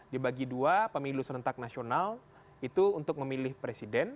dibagi dua pemilu serentak nasional itu untuk memilih presiden